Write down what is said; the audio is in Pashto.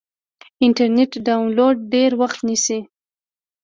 انټرنیټ ډاونلوډ ډېر وخت نیسي.